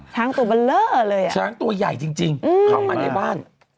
ช้างตัวเบลอเลยอ่ะช้างตัวใหญ่จริงเข้ามาในบ้าน